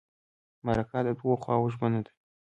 مرکه د دوو خواوو ژمنه ده.